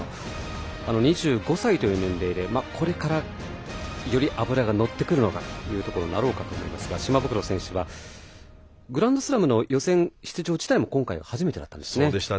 ２５歳という年齢でこれから、より脂がのってくるということになろうかと思いますが島袋選手はグランドスラムの予選出場自体も今回が初めてだったんですね。